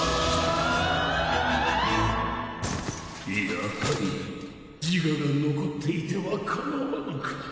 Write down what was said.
やはり自我が残っていてはかなわぬか。